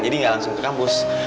jadi gak langsung ke kampus